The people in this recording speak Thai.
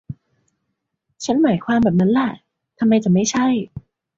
ฉันหมายความแบบนั้นแหละ ทำไมจะไม่ใช่